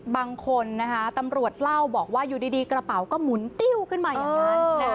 บางคนนะคะตำรวจเล่าบอกว่าอยู่ดีกระเป๋าก็หมุนติ้วขึ้นมาอย่างนั้น